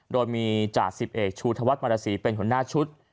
โดยมีจ่าสิบเอกชูธวัฒนมรสีเป็นหัวหน้าชุด